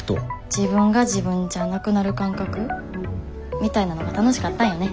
自分が自分じゃなくなる感覚？みたいなのが楽しかったんよね。